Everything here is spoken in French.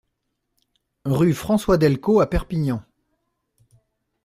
Rue François Delcos à Perpignan